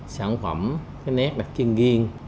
sản phẩm nét đặc trưng ghiêng